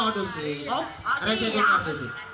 ada yang kakaknya sedih sedih apa sih